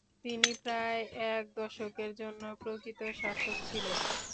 তিনি প্রায় এক দশকের জন্য প্রকৃত শাসক ছিলেন।